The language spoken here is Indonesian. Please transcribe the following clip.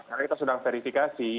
karena kita sudah verifikasi